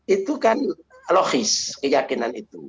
itu kan logis keyakinan itu